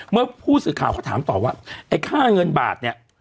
เมื่อผู้สื่อข่าวเขาถามต่อว่าไอ้ค่าเงินบาทเนี่ย